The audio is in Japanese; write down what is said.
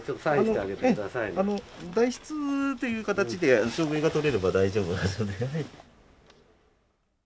あの代筆という形で証明が取れれば大丈夫ですので。